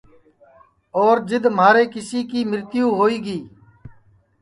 اور جِدؔ مہارے کیسی کی مرتیو ہوئی گی